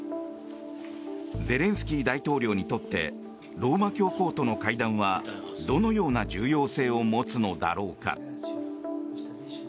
ゼレンスキー大統領にとってローマ教皇との会談はどのような重要性を持つのだろうか。